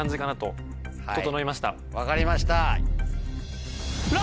分かりました。